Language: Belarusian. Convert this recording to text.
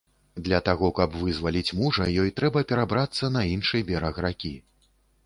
Для таго, каб вызваліць мужа, ёй трэба перабрацца на іншы бераг ракі.